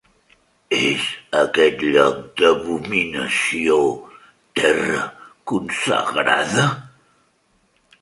És aquest lloc d'abominació terra consagrada?